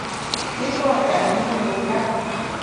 I pua’ tètmu ndun ndap.